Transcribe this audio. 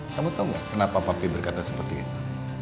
kamu tahu nggak kenapa papi berkata seperti itu